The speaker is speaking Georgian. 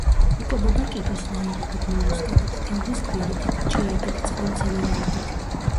იკვებება კიბოსნაირებით, მოლუსკებით, თევზის ქვირითით, ჭიებით, წყალმცენარეებით.